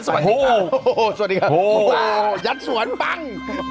สวัสดีครับโหยัดสวรรค์ปัง